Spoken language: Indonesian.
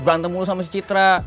berantem mulu sama si citra